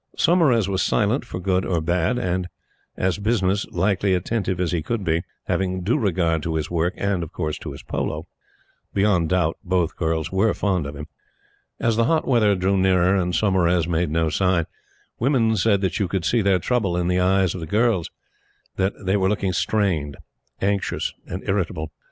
Saumarez was silent for good or bad, and as business likely attentive as he could be, having due regard to his work and his polo. Beyond doubt both girls were fond of him. As the hot weather drew nearer, and Saumarez made no sign, women said that you could see their trouble in the eyes of the girls that they were looking strained, anxious, and irritable.